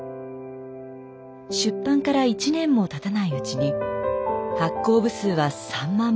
出版から１年もたたないうちに発行部数は３万部を突破。